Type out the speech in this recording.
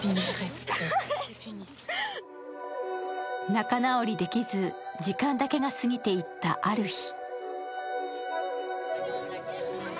仲直りできず、時間だけが過ぎていったある日。